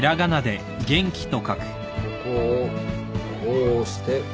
ここをこうしてこう。